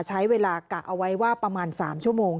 ใช้เวลากะเอาไว้ว่าประมาณ๓ชั่วโมง